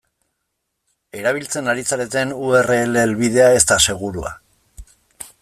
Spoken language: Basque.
Erabiltzen ari zareten u erre ele helbidea ez da segurua.